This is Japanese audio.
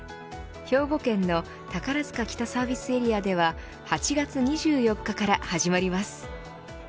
兵庫県の宝塚北サービスエリアでは８月２４日から始まります。